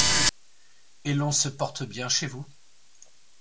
Et l'on se porte bien chez vous ?